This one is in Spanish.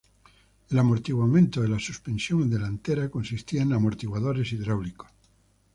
El amortiguamiento de la suspensión delantera consistía de amortiguadores hidráulicos.